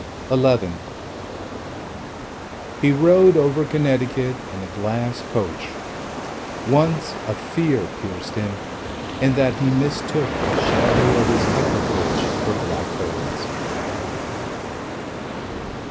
XI He rode over Connecticut In a glass coach. Once, a fear pierced him, In that he mistook The shadow of his equipage for blackbirds.